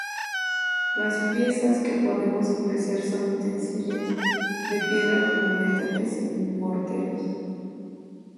Las piezas que podemos apreciar son utensilios de piedra como metates y morteros.